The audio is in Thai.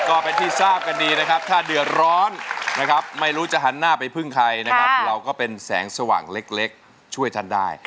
ก็เป็นที่ทราบกันดีนะครับถ้าเดือดร้อนนะครับไม่รู้จะหันหน้าไปพึ่งใครนะครับเราก็เป็นแสงสว่างเล็กช่วยท่านได้